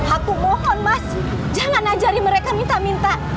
aku mohon mas jangan ajari mereka minta minta